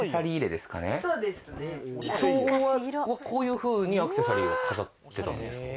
昭和はこういうふうにアクセサリーを飾ってたんですか？